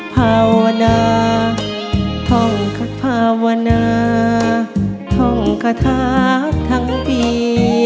ภาวนาท้องกระทะภาวนาท้องกระทะทั้งปี